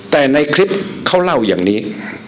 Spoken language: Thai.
แต่ในคลิปเขาเล่าอย่างนี้